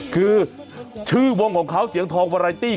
คือชื่อวงของเขาเสียงทองวาไรตี้